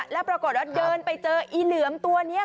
แล้วปรากฏว่าเดินไปเจออีเหลือมตัวนี้